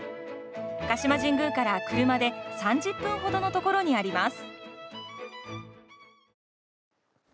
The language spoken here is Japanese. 鹿島神宮から車で３０分ほどのところにあります。